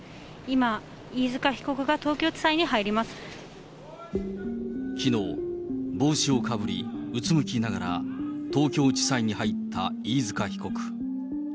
今、きのう、帽子をかぶり、うつむきながら東京地裁に入った飯塚被告。